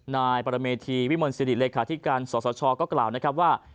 นายปรเมธีวิมลสิริเลขาธิการสสชก็กล่าวนะครับว่า